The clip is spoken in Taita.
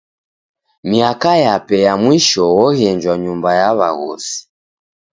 Miaka yape ya mwisho oghenjwa nyumba ya w'aghosi.